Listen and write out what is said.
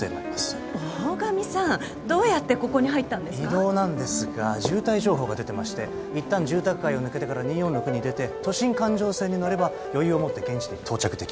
移動なんですが渋滞情報が出てましていったん住宅街を抜けてから２４６に出て都心環状線に乗れば余裕を持って現地に到着できます。